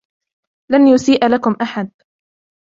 لن يسيء لكم أحد.